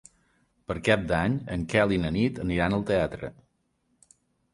Per Cap d'Any en Quel i na Nit aniran al teatre.